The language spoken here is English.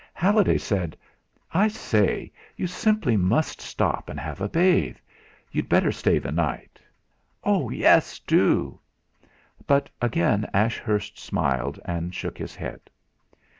Halliday said: "I say, you simply must stop and have a bathe. You'd better stay the night." "Yes, do!"' But again Ashurst smiled and shook his head.